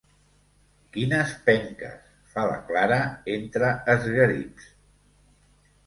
Quines penques! —fa la Clara entre esgarips.